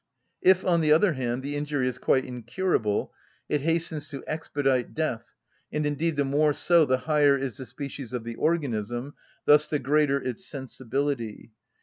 If, on the other hand, the injury is quite incurable, it hastens to expedite death, and indeed the more so the higher is the species of the organism, thus the greater its sensibility.